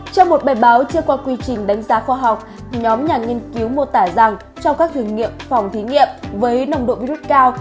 trong một bài báo chưa qua quy trình đánh giá khoa học nhóm nhà nghiên cứu mô tả rằng trong các thử nghiệm phòng thí nghiệm với nồng độ virus cao